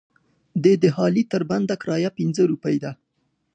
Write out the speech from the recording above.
د دهالې تر بنده کرایه پنځه روپۍ ده.